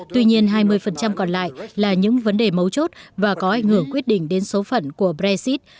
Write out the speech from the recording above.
tuy nhiên hai mươi còn lại là những vấn đề mấu chốt và có ảnh hưởng quyết định đến số phận của brexit